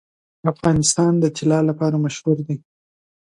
افغانستان د طلا لپاره مشهور دی.